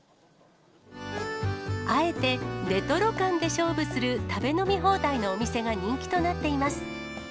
あえてレトロ感で勝負する食べ飲み放題のお店が人気となっています。